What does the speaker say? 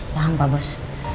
paham pak bos